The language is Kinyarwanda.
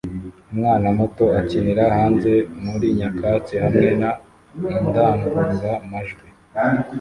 Umwana muto akinira hanze muri nyakatsi hamwe na indangurura majwi